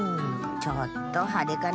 ちょっとはでかな。